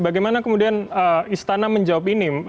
bagaimana kemudian istana menjawab ini